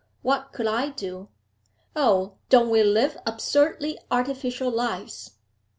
What could I do? Oh, don't we live absurdly artificial lives?